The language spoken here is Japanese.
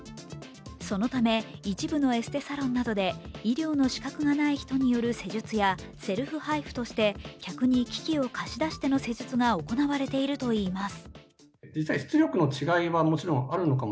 そのため、一部のエステサロンなどで医療の資格がない人による施術やセルフＨＩＦＵとして客に機器を貸し出しての施術が行われているといいます。